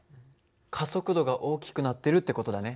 加速度が大きくなってるって事だね。